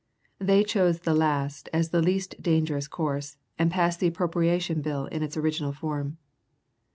They chose the last as the least dangerous course, and passed the Appropriation Bill in its original form.